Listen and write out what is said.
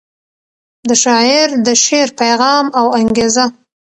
د شاعر د شعر پیغام او انګیزه